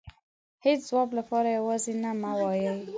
هيچ ځواب لپاره يوازې نه مه وايئ .